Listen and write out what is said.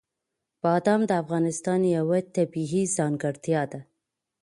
بادام د افغانستان یوه طبیعي ځانګړتیا ده.